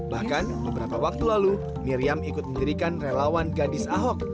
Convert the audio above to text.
bahkan beberapa waktu lalu miriam ikut mendirikan relawan gadis ahok